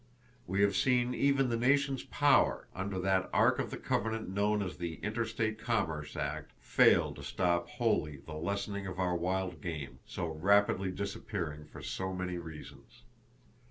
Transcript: We have seen even the nation's power—under that Ark of the Covenant known as the Interstate Commerce Act—fail to stop wholly the lessening of our wild game, so rapidly disappearing for so many reasons.